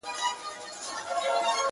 خو د شیعه اقلیتونو پر ضد یې تعصب نه کاوه